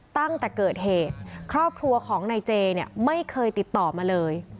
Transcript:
ตั้งแต่เกิดเหตุครอบครัวของนายเจเนี่ยไม่เคยติดต่อมาเลย